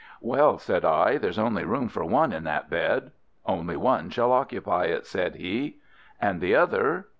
"Well," said I, "there's only room for one in that bed." "Only one shall occupy it," said he. "And the other?"